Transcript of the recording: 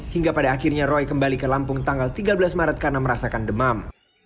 hingga pada akhirnya roy kembali ke lampung tanggal tiga belas maret karena merasakan demam